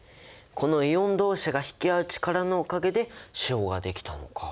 このイオンどうしが引きあう力のおかげで塩ができたのか。